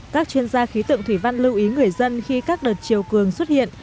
các chuyên gia khí tượng thủy văn lưu ý người dân khi các đợt chiều cường xuất hiện